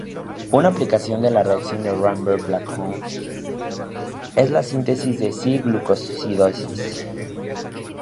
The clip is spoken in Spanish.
Una aplicación de la reacción de Ramberg-Bäcklund es la síntesis de C-glucósidos.